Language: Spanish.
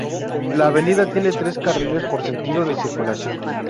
La avenida tiene tres carriles por sentido de circulación.